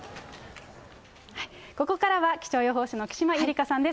ここからは気象予報士の木島ゆりかさんです。